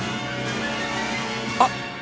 あ！